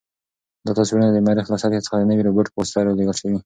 دا تصویرونه د مریخ له سطحې څخه د نوي روبوټ په واسطه رالېږل شوي.